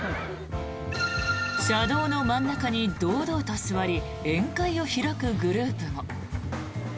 車道の真ん中に堂々と座り宴会を開くグループも。